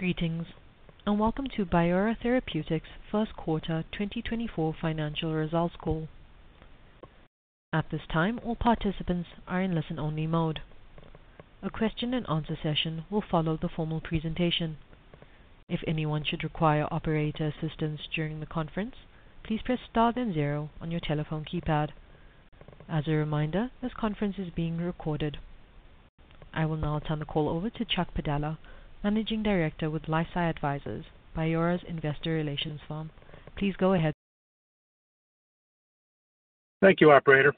Greetings, and welcome to Biora Therapeutics' First Quarter 2024 Financial Results Call. At this time, all participants are in listen-only mode. A question and answer session will follow the formal presentation. If anyone should require operator assistance during the conference, please press star then zero on your telephone keypad. As a reminder, this conference is being recorded. I will now turn the call over to Chuck Padala, Managing Director with LifeSci Advisors, Bioera's investor relations firm. Please go ahead. Thank you, operator.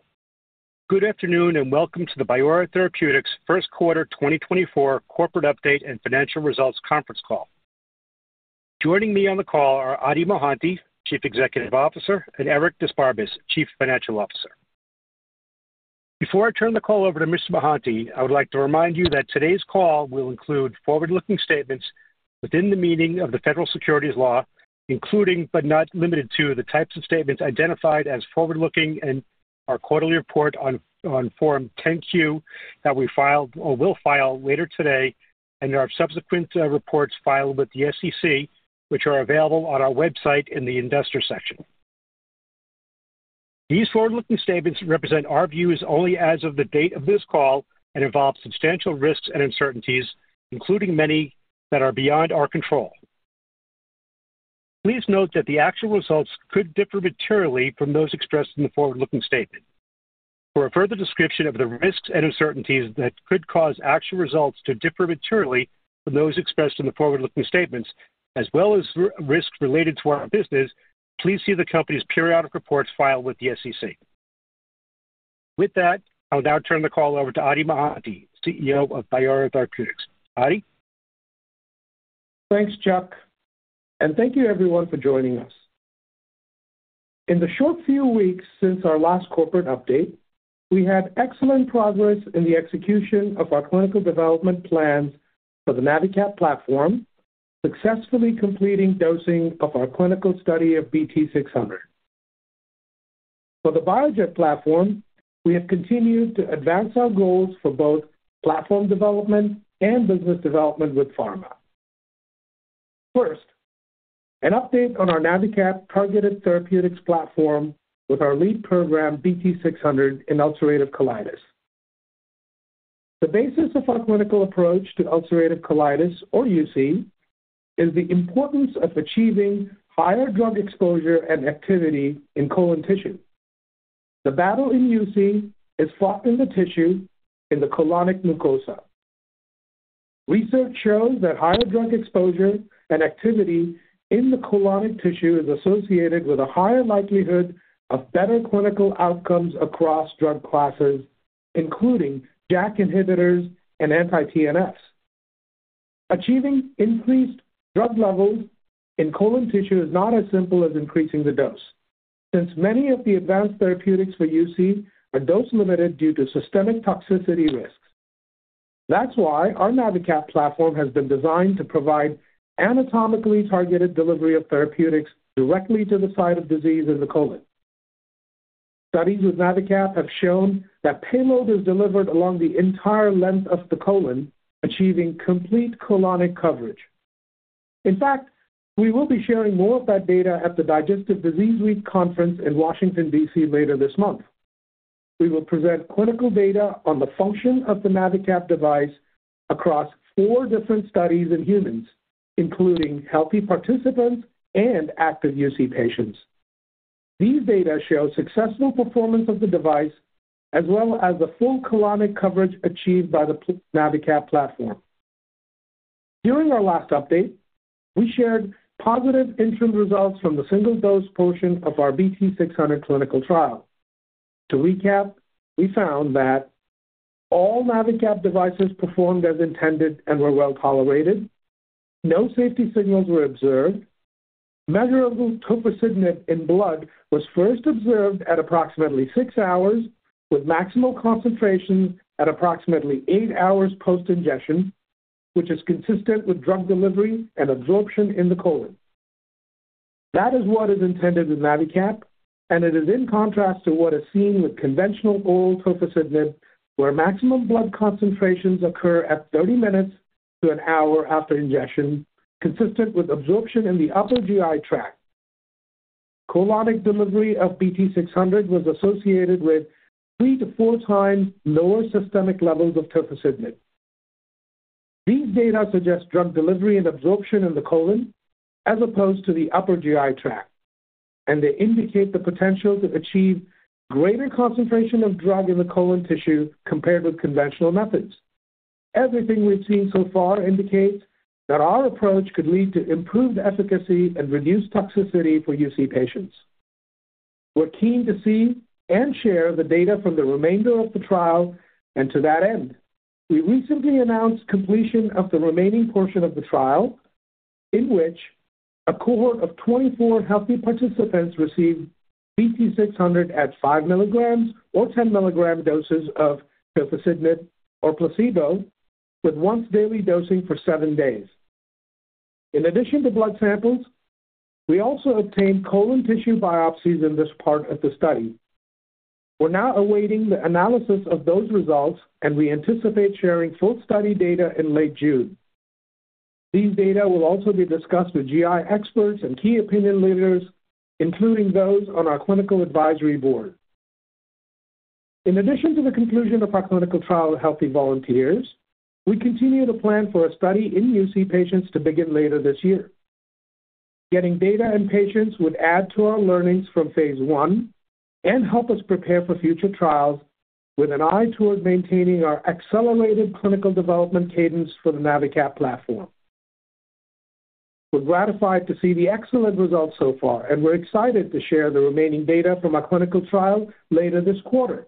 Good afternoon, and welcome to the Biora Therapeutics' First Quarter 2024 Corporate Update and Financial Results conference call. Joining me on the call are Adi Mohanty, Chief Executive Officer, and Eric d'Esparbes, Chief Financial Officer. Before I turn the call over to Mr. Mohanty, I would like to remind you that today's call will include forward-looking statements within the meaning of the Federal Securities law, including, but not limited to, the types of statements identified as forward-looking in our quarterly report on Form 10-Q that we filed or will file later today, and our subsequent reports filed with the SEC, which are available on our website in the investor section. These forward-looking statements represent our views only as of the date of this call and involve substantial risks and uncertainties, including many that are beyond our control. Please note that the actual results could differ materially from those expressed in the forward-looking statement. For a further description of the risks and uncertainties that could cause actual results to differ materially from those expressed in the forward-looking statements, as well as risks related to our business, please see the company's periodic reports filed with the SEC. With that, I'll now turn the call over to Adi Mohanty, CEO of Biora Therapeutics. Adi? Thanks, Chuck, and thank you everyone for joining us. In the short few weeks since our last corporate update, we had excellent progress in the execution of our clinical development plans for the NaviCap platform, successfully completing dosing of our clinical study of BT-600. For the BioJet platform, we have continued to advance our goals for both platform development and business development with pharma. First, an update on our NaviCap targeted therapeutics platform with our lead program, BT-600, in ulcerative colitis. The basis of our clinical approach to ulcerative colitis, or UC, is the importance of achieving higher drug exposure and activity in colon tissue. The battle in UC is fought in the tissue in the colonic mucosa. Research shows that higher drug exposure and activity in the colonic tissue is associated with a higher likelihood of better clinical outcomes across drug classes, including JAK inhibitors and anti-TNFs. Achieving increased drug levels in colon tissue is not as simple as increasing the dose, since many of the advanced therapeutics for UC are dose-limited due to systemic toxicity risks. That's why our NaviCap platform has been designed to provide anatomically targeted delivery of therapeutics directly to the site of disease in the colon. Studies with NaviCap have shown that payload is delivered along the entire length of the colon, achieving complete colonic coverage. In fact, we will be sharing more of that data at the Digestive Disease Week conference in Washington, D.C., later this month. We will present clinical data on the function of the NaviCap device across four different studies in humans, including healthy participants and active UC patients. These data show successful performance of the device, as well as the full colonic coverage achieved by the NaviCap platform. During our last update, we shared positive interim results from the single-dose portion of our BT-600 clinical trial. To recap, we found that all NaviCap devices performed as intended and were well-tolerated. No safety signals were observed. Measurable tofacitinib in blood was first observed at approximately six hours, with maximal concentration at approximately eight hours post-ingestion, which is consistent with drug delivery and absorption in the colon. That is what is intended with NaviCap, and it is in contrast to what is seen with conventional oral tofacitinib, where maximum blood concentrations occur at 30 minutes to one hour after ingestion, consistent with absorption in the upper GI tract. Colonic delivery of BT-600 was associated with 3-4 times lower systemic levels of tofacitinib. These data suggest drug delivery and absorption in the colon, as opposed to the upper GI tract, and they indicate the potential to achieve greater concentration of drug in the colon tissue compared with conventional methods. Everything we've seen so far indicates that our approach could lead to improved efficacy and reduced toxicity for UC patients. We're keen to see and share the data from the remainder of the trial, and to that end, we recently announced completion of the remaining portion of the trial, in which a cohort of 24 healthy participants received BT-600 at 5 milligrams or 10 milligram doses of tofacitinib or placebo, with once daily dosing for seven days. In addition to blood samples, we also obtained colon tissue biopsies in this part of the study.... We're now awaiting the analysis of those results, and we anticipate sharing full study data in late June. These data will also be discussed with GI experts and key opinion leaders, including those on our clinical advisory board. In addition to the conclusion of our clinical trial with healthy volunteers, we continue to plan for a study in UC patients to begin later this year. Getting data in patients would add to our learnings from phase 1 and help us prepare for future trials with an eye toward maintaining our accelerated clinical development cadence for the NaviCap platform. We're gratified to see the excellent results so far, and we're excited to share the remaining data from our clinical trial later this quarter.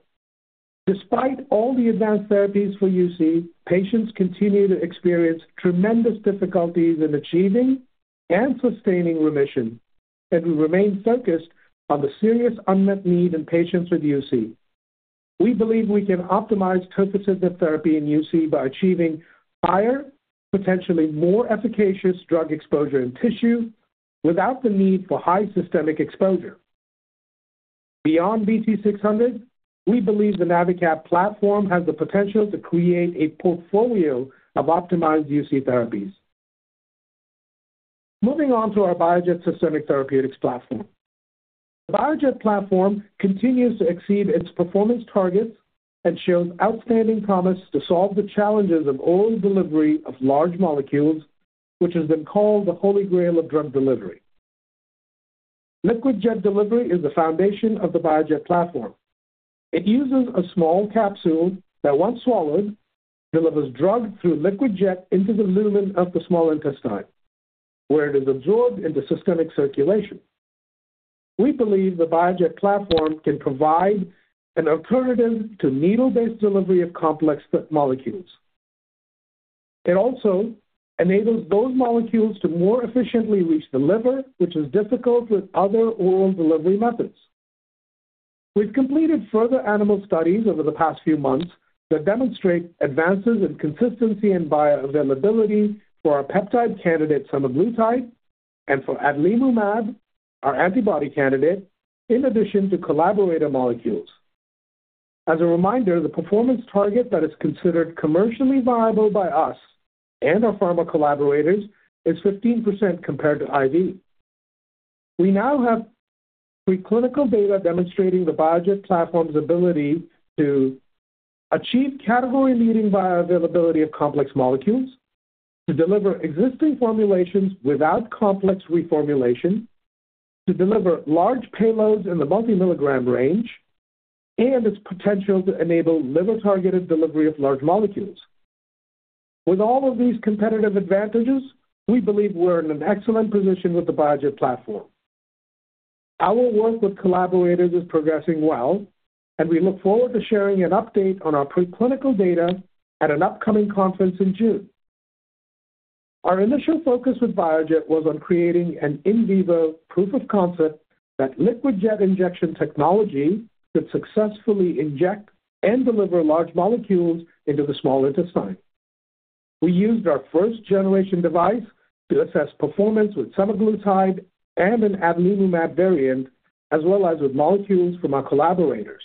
Despite all the advanced therapies for UC, patients continue to experience tremendous difficulties in achieving and sustaining remission, and we remain focused on the serious unmet need in patients with UC. We believe we can optimize targeted therapy in UC by achieving higher, potentially more efficacious drug exposure and tissue, without the need for high systemic exposure. Beyond BT-600, we believe the NaviCap platform has the potential to create a portfolio of optimized UC therapies. Moving on to our BioJet systemic therapeutics platform. The BioJet platform continues to exceed its performance targets and shows outstanding promise to solve the challenges of oral delivery of large molecules, which has been called the holy grail of drug delivery. Liquid jet delivery is the foundation of the BioJet platform. It uses a small capsule that, once swallowed, delivers drug through liquid jet into the lumen of the small intestine, where it is absorbed into systemic circulation. We believe the BioJet platform can provide an alternative to needle-based delivery of complex molecules. It also enables those molecules to more efficiently reach the liver, which is difficult with other oral delivery methods. We've completed further animal studies over the past few months that demonstrate advances in consistency and bioavailability for our peptide candidate semaglutide and for adalimumab, our antibody candidate, in addition to collaborator molecules. As a reminder, the performance target that is considered commercially viable by us and our pharma collaborators is 15% compared to IV. We now have preclinical data demonstrating the BioJet platform's ability to achieve category-leading bioavailability of complex molecules, to deliver existing formulations without complex reformulation, to deliver large payloads in the multi-milligram range, and its potential to enable liver-targeted delivery of large molecules. With all of these competitive advantages, we believe we're in an excellent position with the BioJet platform. Our work with collaborators is progressing well, and we look forward to sharing an update on our preclinical data at an upcoming conference in June. Our initial focus with BioJet was on creating an in vivo proof of concept that liquid jet injection technology could successfully inject and deliver large molecules into the small intestine. We used our first-generation device to assess performance with semaglutide and an adalimumab variant, as well as with molecules from our collaborators.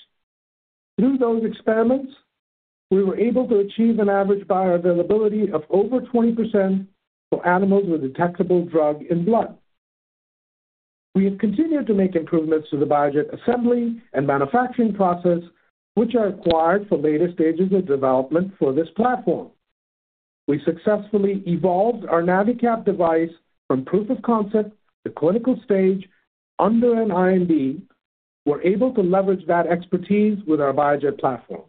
Through those experiments, we were able to achieve an average bioavailability of over 20% for animals with detectable drug in blood. We have continued to make improvements to the BioJet assembly and manufacturing process, which are required for later stages of development for this platform. We successfully evolved our NaviCap device from proof of concept to clinical stage under an IND. We're able to leverage that expertise with our BioJet platform.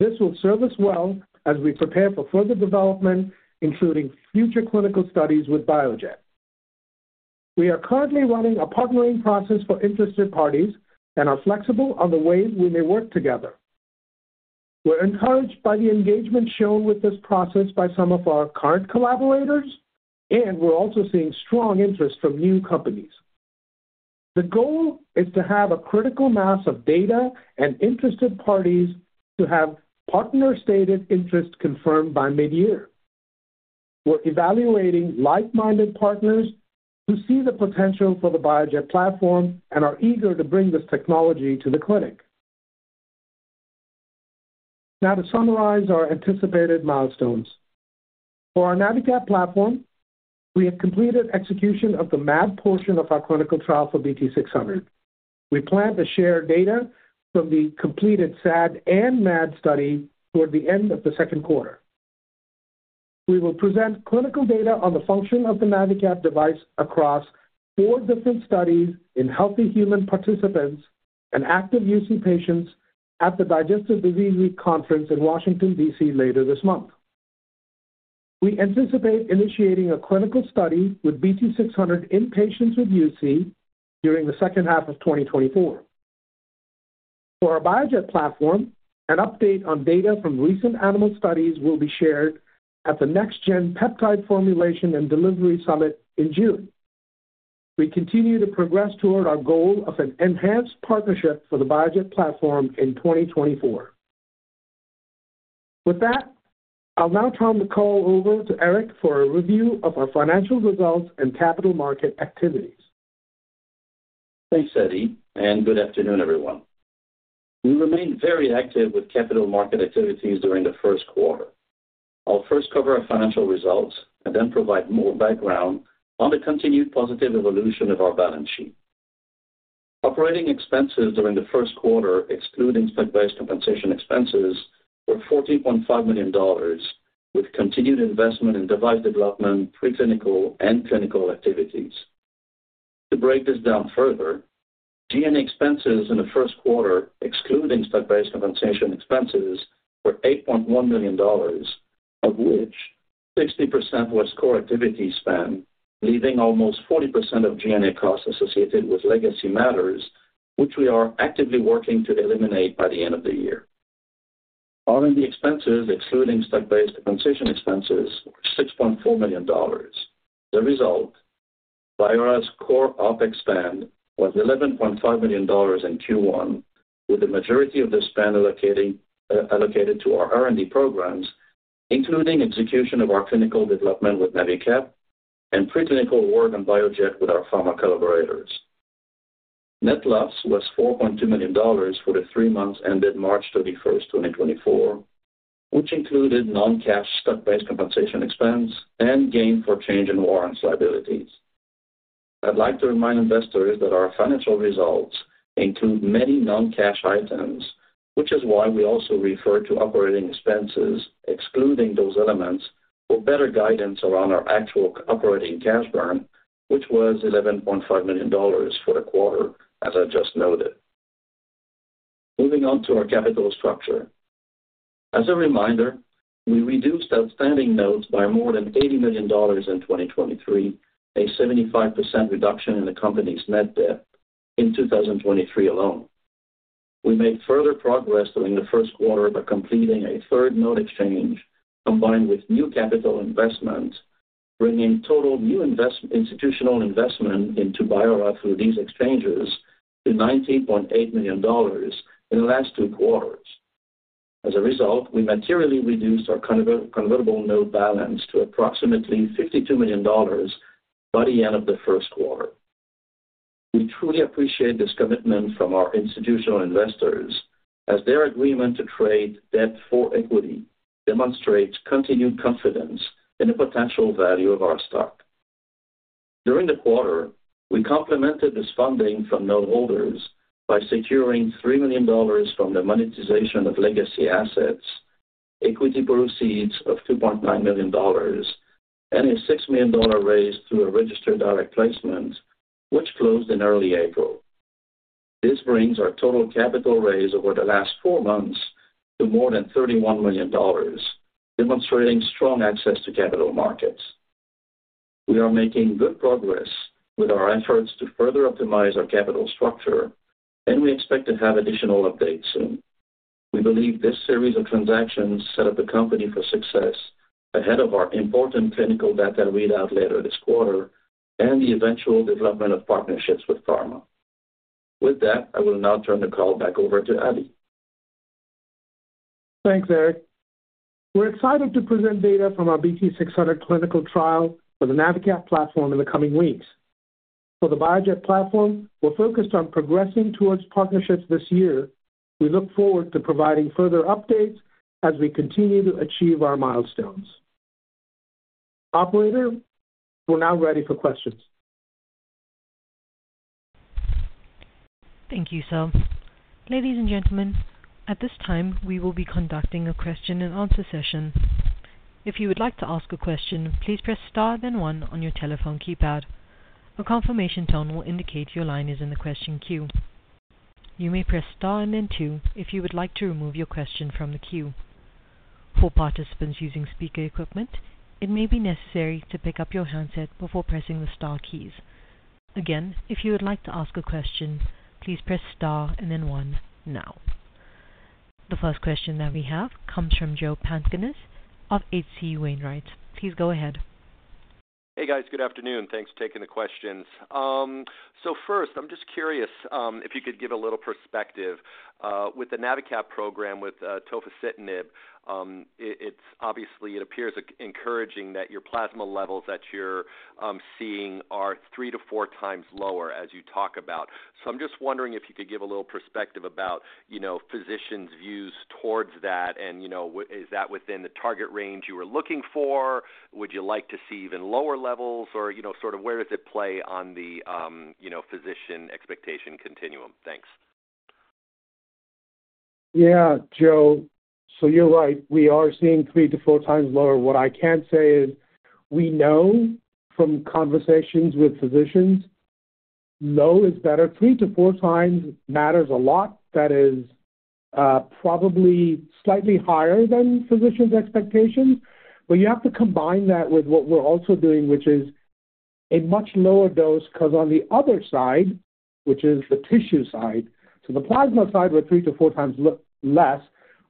This will serve us well as we prepare for further development, including future clinical studies with BioJet. We are currently running a partnering process for interested parties and are flexible on the ways we may work together. We're encouraged by the engagement shown with this process by some of our current collaborators, and we're also seeing strong interest from new companies. The goal is to have a critical mass of data and interested parties to have partner-stated interest confirmed by mid-year. We're evaluating like-minded partners who see the potential for the BioJet platform and are eager to bring this technology to the clinic. Now to summarize our anticipated milestones. For our NaviCap platform, we have completed execution of the MAD portion of our clinical trial for BT-600. We plan to share data from the completed SAD and MAD study toward the end of the second quarter. We will present clinical data on the function of the NaviCap device across four different studies in healthy human participants and active UC patients at the Digestive Disease Week conference in Washington, D.C., later this month. We anticipate initiating a clinical study with BT-600 in patients with UC during the second half of 2024. For our BioJet platform, an update on data from recent animal studies will be shared at the NextGen Peptide Formulation and Delivery Summit in June. We continue to progress toward our goal of an enhanced partnership for the BioJet platform in 2024. With that, I'll now turn the call over to Eric for a review of our financial results and capital market activities. Thanks, Adi, and good afternoon, everyone. We remained very active with capital market activities during the first quarter. I'll first cover our financial results and then provide more background on the continued positive evolution of our balance sheet. Operating expenses during the first quarter, excluding stock-based compensation expenses, were $40.5 million, with continued investment in device development, preclinical, and clinical activities. To break this down further, G&A expenses in the first quarter, excluding stock-based compensation expenses, were $8.1 million, of which 60% was core activity spend, leaving almost 40% of G&A costs associated with legacy matters, which we are actively working to eliminate by the end of the year. R&D expenses, excluding stock-based compensation expenses, were $6.4 million. The result, Biora's core OpEx spend was $11.5 million in Q1, with the majority of the spend allocating, allocated to our R&D programs, including execution of our clinical development with NaviCap and preclinical work on BioJet with our pharma collaborators. Net loss was $4.2 million for the three months ended March 31, 2024, which included non-cash stock-based compensation expense and gain for change in warrants liabilities. I'd like to remind investors that our financial results include many non-cash items, which is why we also refer to operating expenses, excluding those elements, for better guidance around our actual operating cash burn, which was $11.5 million for the quarter, as I just noted. Moving on to our capital structure. As a reminder, we reduced outstanding notes by more than $80 million in 2023, a 75% reduction in the company's net debt in 2023 alone. We made further progress during the first quarter by completing a third note exchange, combined with new capital investment, bringing total new institutional investment into Biora through these exchanges to $19.8 million in the last two quarters. As a result, we materially reduced our convertible note balance to approximately $52 million by the end of the first quarter. We truly appreciate this commitment from our institutional investors, as their agreement to trade debt for equity demonstrates continued confidence in the potential value of our stock. During the quarter, we complemented this funding from noteholders by securing $3 million from the monetization of legacy assets, equity proceeds of $2.9 million, and a $6 million raise through a registered direct placement, which closed in early April. This brings our total capital raise over the last four months to more than $31 million, demonstrating strong access to capital markets. We are making good progress with our efforts to further optimize our capital structure, and we expect to have additional updates soon. We believe this series of transactions set up the company for success ahead of our important clinical data readout later this quarter and the eventual development of partnerships with pharma. With that, I will now turn the call back over to Adi. Thanks, Eric. We're excited to present data from our BT-600 clinical trial for the NaviCap platform in the coming weeks. For the BioJet platform, we're focused on progressing towards partnerships this year. We look forward to providing further updates as we continue to achieve our milestones. Operator, we're now ready for questions. Thank you, sir. Ladies and gentlemen, at this time, we will be conducting a question-and-answer session. If you would like to ask a question, please press star, then one on your telephone keypad. A confirmation tone will indicate your line is in the question queue. You may press star and then two if you would like to remove your question from the queue. For participants using speaker equipment, it may be necessary to pick up your handset before pressing the star keys. Again, if you would like to ask a question, please press star and then one now. The first question that we have comes from Joe Pantginis of H.C. Wainwright. Please go ahead. Hey, guys. Good afternoon. Thanks for taking the questions. So first, I'm just curious, if you could give a little perspective, with the NaviCap program, with tofacitinib, it, it's obviously it appears encouraging that your plasma levels that you're seeing are 3-4 times lower, as you talk about. So I'm just wondering if you could give a little perspective about, you know, physicians' views towards that, and, you know, is that within the target range you were looking for? Would you like to see even lower levels? Or, you know, sort of where does it play on the, you know, physician expectation continuum? Thanks. Yeah. Joe, so you're right. We are seeing 3-4 times lower. What I can say is, we know from conversations with physicians, low is better. 3-4 times matters a lot. That is, probably slightly higher than physicians' expectations. But you have to combine that with what we're also doing, which is a much lower dose, 'cause on the other side, which is the tissue side... So the plasma side were 3-4 times less.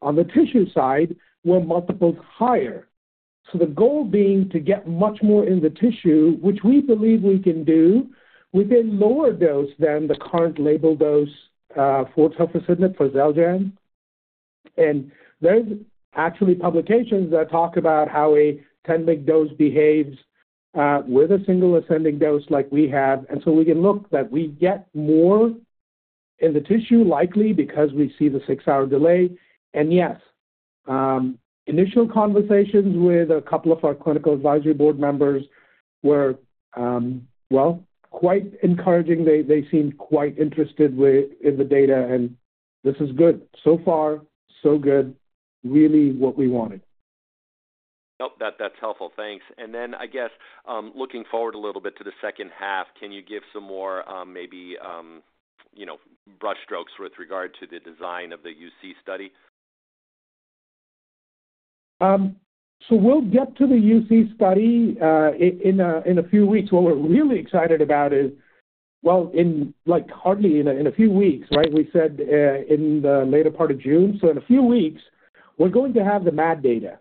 On the tissue side, were multiples higher....So the goal being to get much more in the tissue, which we believe we can do with a lower dose than the current label dose, for tofacitinib, for Xeljanz. And there's actually publications that talk about how a 10 mg dose behaves, with a single ascending dose like we have. And so we can look that we get more in the tissue, likely because we see the six-hour delay. Yes, initial conversations with a couple of our clinical advisory board members were, well, quite encouraging. They, they seemed quite interested in the data, and this is good. So far, so good. Really what we wanted. Oh, that, that's helpful. Thanks. And then, I guess, looking forward a little bit to the second half, can you give some more, maybe, you know, brushstrokes with regard to the design of the UC study? So we'll get to the UC study in a few weeks. What we're really excited about is well, like hardly in a few weeks, right? We said in the later part of June. So in a few weeks, we're going to have the MAD data,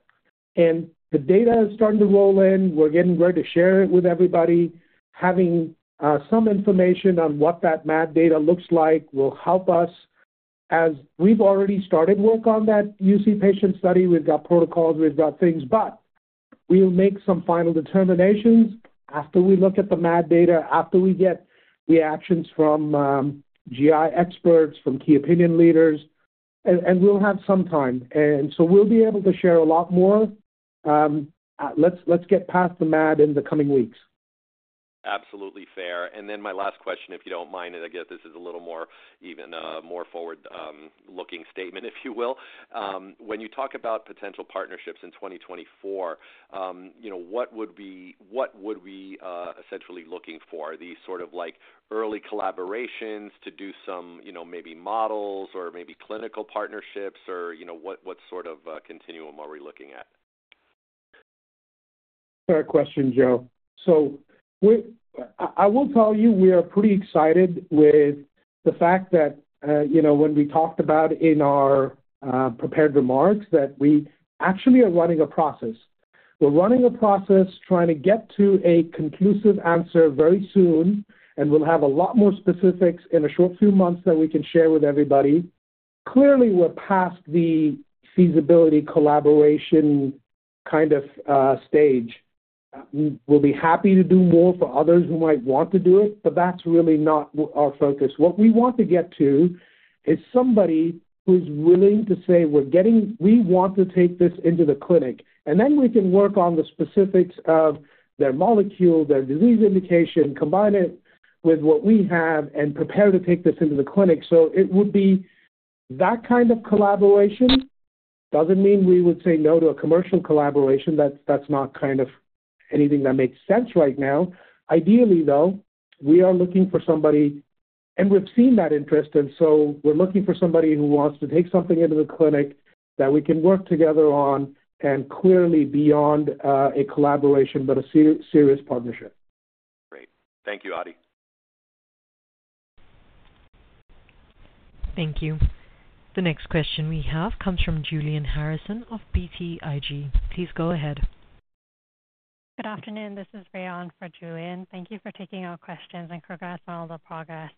and the data is starting to roll in. We're getting ready to share it with everybody. Having some information on what that MAD data looks like will help us, as we've already started work on that UC patient study. We've got protocols, we've got things, but we'll make some final determinations after we look at the MAD data, after we get reactions from GI experts, from key opinion leaders, and we'll have some time. And so we'll be able to share a lot more. Let's get past the MAD in the coming weeks. Absolutely fair. Then my last question, if you don't mind, and I guess this is a little more even more forward-looking statement, if you will. When you talk about potential partnerships in 2024, you know, what would we essentially looking for? Are these sort of like early collaborations to do some, you know, maybe models or maybe clinical partnerships or, you know, what sort of continuum are we looking at? Fair question, Joe. So I will tell you, we are pretty excited with the fact that, you know, when we talked about in our prepared remarks, that we actually are running a process. We're running a process trying to get to a conclusive answer very soon, and we'll have a lot more specifics in a short few months that we can share with everybody. Clearly, we're past the feasibility, collaboration, kind of stage. We'll be happy to do more for others who might want to do it, but that's really not our focus. What we want to get to is somebody who's willing to say, we want to take this into the clinic, and then we can work on the specifics of their molecule, their disease indication, combine it with what we have and prepare to take this into the clinic. So it would be that kind of collaboration. Doesn't mean we would say no to a commercial collaboration. That's not kind of anything that makes sense right now. Ideally, though, we are looking for somebody, and we've seen that interest, and so we're looking for somebody who wants to take something into the clinic that we can work together on, and clearly beyond a collaboration, but a serious partnership. Great. Thank you, Adi. Thank you. The next question we have comes from Julian Harrison of BTIG. Please go ahead. Good afternoon. This is [Rayon] for Julian. Thank you for taking our questions and congrats on all the progress.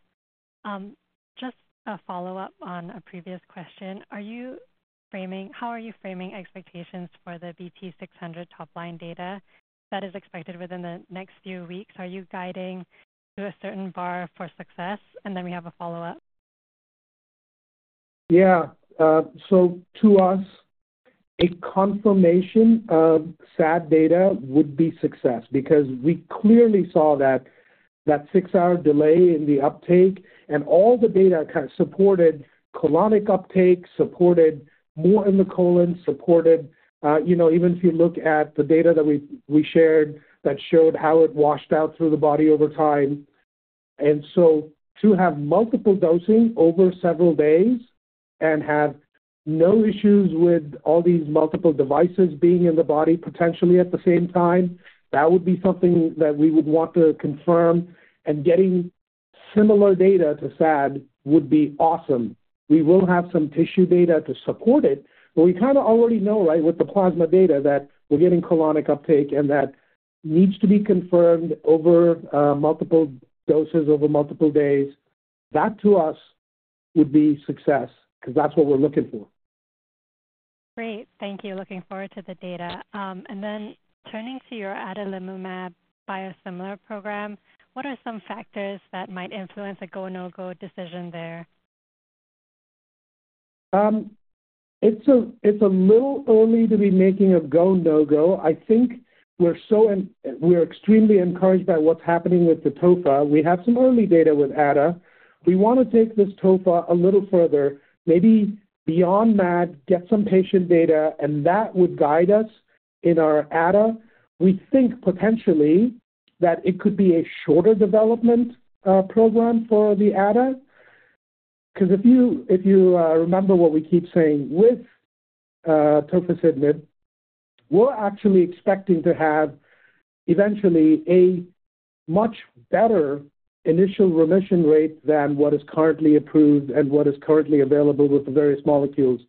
Just a follow-up on a previous question. Are you framing? How are you framing expectations for the BT-600 top-line data that is expected within the next few weeks? Are you guiding to a certain bar for success? And then we have a follow-up. Yeah, so to us, a confirmation of SAD data would be success because we clearly saw that, that 6-hour delay in the uptake and all the data kind of supported colonic uptake, supported more in the colon, supported, you know, even if you look at the data that we shared, that showed how it washed out through the body over time. And so to have multiple dosing over several days and have no issues with all these multiple devices being in the body, potentially at the same time, that would be something that we would want to confirm, and getting similar data to SAD would be awesome. We will have some tissue data to support it, but we kind of already know, right, with the plasma data, that we're getting colonic uptake, and that needs to be confirmed over, multiple doses over multiple days. That, to us, would be success, because that's what we're looking for. Great. Thank you. Looking forward to the data. And then turning to your adalimumab biosimilar program, what are some factors that might influence a go, no-go decision there? It's a little early to be making a go, no-go. I think we're extremely encouraged by what's happening with the tofa. We have some early data with ADA. We want to take this tofa a little further, maybe beyond that, get some patient data, and that would guide us in our ADA. We think potentially that it could be a shorter development program for the ADA, because if you remember what we keep saying, with tofacitinib, we're actually expecting to have eventually a much better initial remission rate than what is currently approved and what is currently available with the various molecules.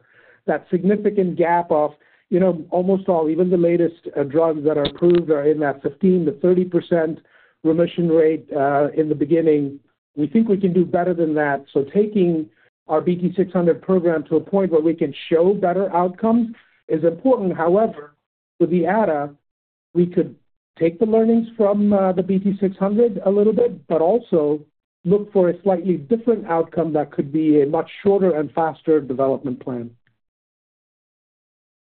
That significant gap of, you know, almost all, even the latest drugs that are approved are in that 15%-30% remission rate in the beginning. We think we can do better than that. So taking our BT-600 program to a point where we can show better outcomes is important. However, with the ADA, we could take the learnings from the BT-600 a little bit, but also look for a slightly different outcome that could be a much shorter and faster development plan.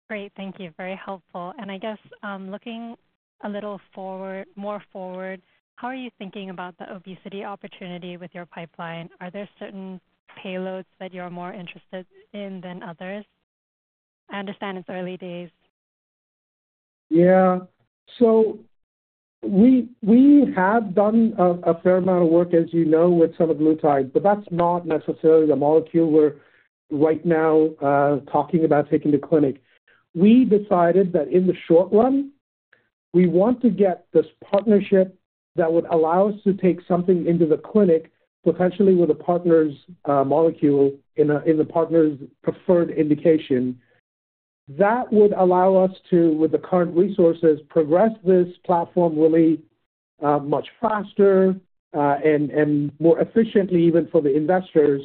Great, thank you. Very helpful. And I guess, looking a little forward, more forward, how are you thinking about the obesity opportunity with your pipeline? Are there certain payloads that you're more interested in than others? I understand it's early days. Yeah. So we have done a fair amount of work, as you know, with semaglutide, but that's not necessarily the molecule we're right now talking about taking to clinic. We decided that in the short run, we want to get this partnership that would allow us to take something into the clinic, potentially with a partner's molecule in the partner's preferred indication. That would allow us to, with the current resources, progress this platform really much faster, and more efficiently even for the investors.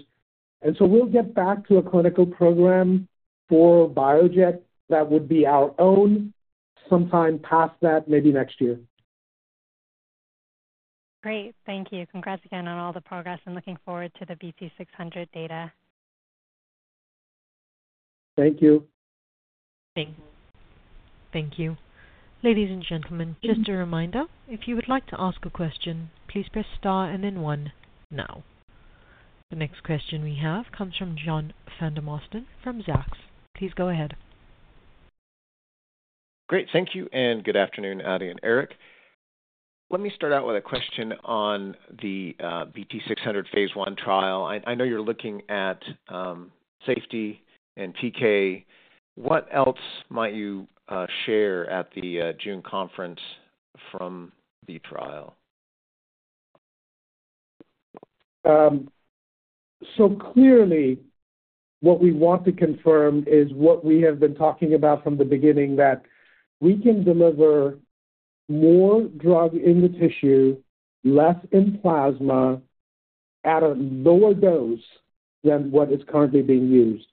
And so we'll get back to a clinical program for BioJet that would be our own, sometime past that, maybe next year. Great, thank you. Congrats again on all the progress, I'm looking forward to the BT-600 data. Thank you. Thanks. Thank you. Ladies and gentlemen, just a reminder, if you would like to ask a question, please press star and then one now. The next question we have comes from John Vandermosten from Zacks. Please go ahead. Great. Thank you, and good afternoon, Adi and Eric. Let me start out with a question on the BT-600 phase 1 trial. I know you're looking at safety and TK. What else might you share at the June conference from the trial? So clearly, what we want to confirm is what we have been talking about from the beginning, that we can deliver more drug in the tissue, less in plasma, at a lower dose than what is currently being used.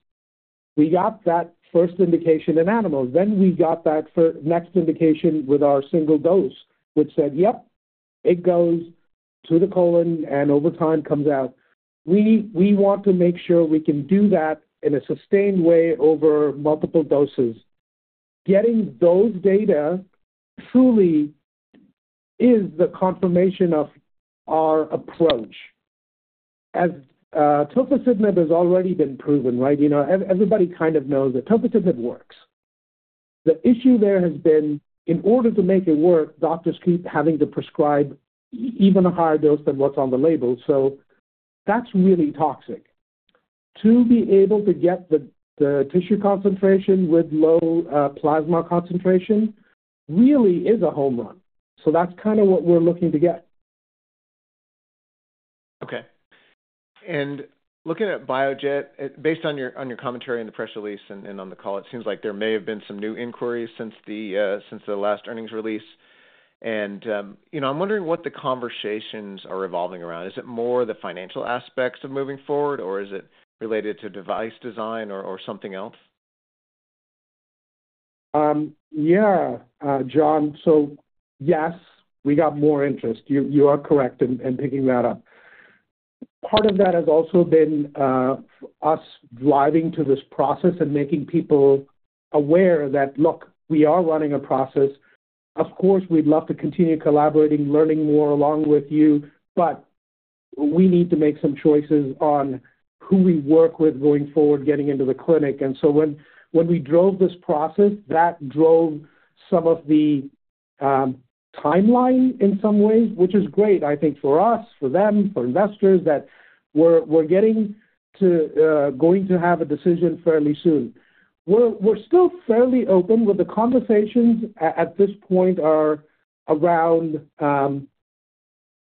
We got that first indication in animals, then we got that next indication with our single dose, which said, yep, it goes to the colon and over time comes out. We want to make sure we can do that in a sustained way over multiple doses. Getting those data truly is the confirmation of our approach. As tofacitinib has already been proven, right? You know, everybody kind of knows that tofacitinib works. The issue there has been, in order to make it work, doctors keep having to prescribe even a higher dose than what's on the label, so that's really toxic. To be able to get the tissue concentration with low plasma concentration really is a home run. So that's kind of what we're looking to get. Okay. And looking at BioJet, based on your, on your commentary in the press release and, and on the call, it seems like there may have been some new inquiries since the, since the last earnings release. And, you know, I'm wondering what the conversations are revolving around. Is it more the financial aspects of moving forward, or is it related to device design or, or something else? Yeah, John, so yes, we got more interest. You are correct in picking that up. Part of that has also been us driving to this process and making people aware that, look, we are running a process. Of course, we'd love to continue collaborating, learning more along with you, but we need to make some choices on who we work with going forward, getting into the clinic. And so when we drove this process, that drove some of the timeline in some ways, which is great, I think, for us, for them, for investors, that we're getting to going to have a decision fairly soon. We're still fairly open, with the conversations at this point are around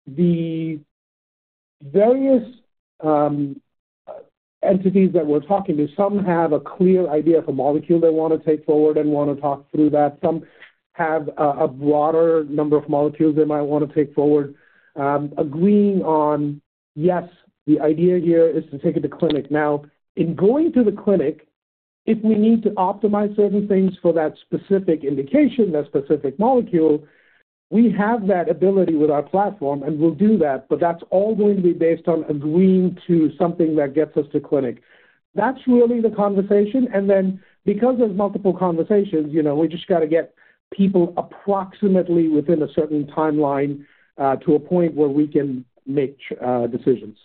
the various entities that we're talking to. Some have a clear idea of a molecule they want to take forward and want to talk through that. Some have a, a broader number of molecules they might want to take forward. Agreeing on, yes, the idea here is to take it to clinic. Now, in going to the clinic, if we need to optimize certain things for that specific indication, that specific molecule, we have that ability with our platform, and we'll do that, but that's all going to be based on agreeing to something that gets us to clinic. That's really the conversation, and then, because there's multiple conversations, you know, we just got to get people approximately within a certain timeline to a point where we can make decisions.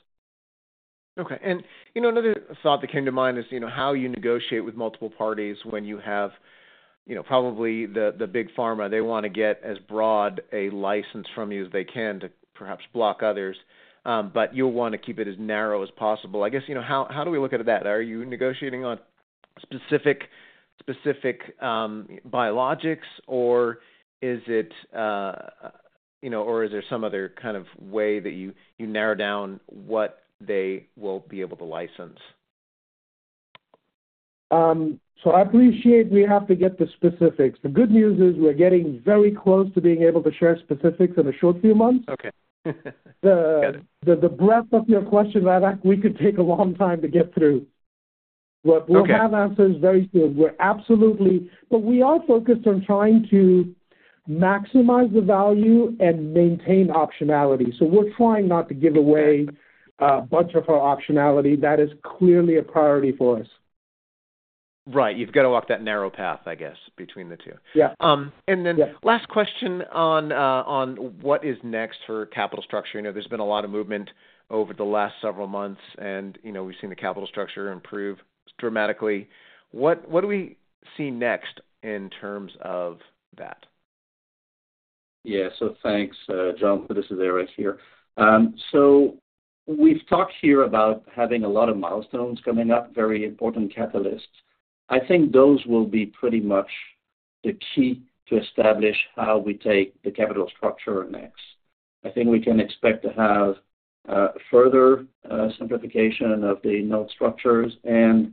Okay. And you know, another thought that came to mind is, you know, how you negotiate with multiple parties when you have, you know, probably the big pharma, they want to get as broad a license from you as they can to perhaps block others, but you'll want to keep it as narrow as possible. I guess, you know, how do we look at that? Are you negotiating on specific biologics, or is it, you know, or is there some other kind of way that you narrow down what they will be able to license? I appreciate we have to get the specifics. The good news is we're getting very close to being able to share specifics in a short few months. Okay. The breadth of your question, John, we could take a long time to get through. Okay. But we'll have answers very soon. We're absolutely. But we are focused on trying to maximize the value and maintain optionality. So we're trying not to give away, bunch of our optionality. That is clearly a priority for us. Right. You've got to walk that narrow path, I guess, between the two. Yeah. and then- Yeah. Last question on what is next for capital structure. I know there's been a lot of movement over the last several months, and, you know, we've seen the capital structure improve dramatically. What, what do we see next in terms of that? Yeah. So thanks, John. This is Eric here. So we've talked here about having a lot of milestones coming up, very important catalysts. I think those will be pretty much the key to establish how we take the capital structure next. I think we can expect to have further simplification of the note structures, and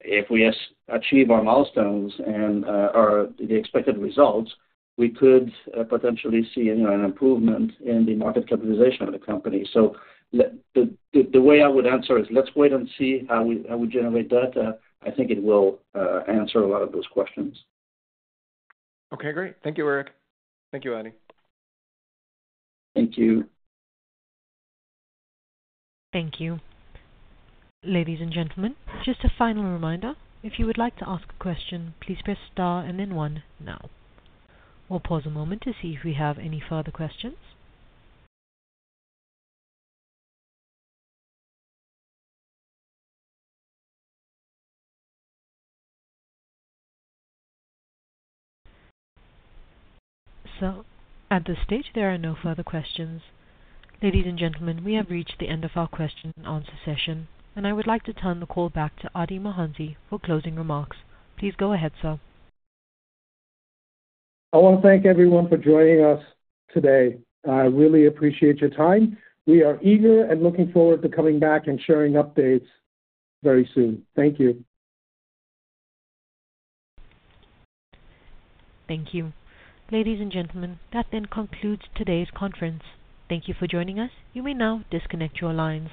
if we achieve our milestones and or the expected results, we could potentially see, you know, an improvement in the market capitalization of the company. So the way I would answer is let's wait and see how we generate data. I think it will answer a lot of those questions? Okay, great. Thank you, Eric. Thank you, Adi. Thank you. Thank you. Ladies and gentlemen, just a final reminder, if you would like to ask a question, please press star and then one now. We'll pause a moment to see if we have any further questions. So at this stage, there are no further questions. Ladies and gentlemen, we have reached the end of our question and answer session, and I would like to turn the call back to Adi Mohanty for closing remarks. Please go ahead, sir. I want to thank everyone for joining us today. I really appreciate your time. We are eager and looking forward to coming back and sharing updates very soon. Thank you. Thank you. Ladies and gentlemen, that then concludes today's conference. Thank you for joining us. You may now disconnect your lines.